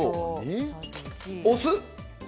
お酢。